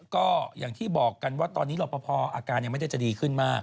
ก็อย่างที่บอกกันว่าตอนนี้รอปภอาการยังไม่ได้จะดีขึ้นมาก